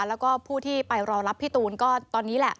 แล้วก็ผู้ที่ไปรอรับพี่ตูนก็ตอนนี้แหละ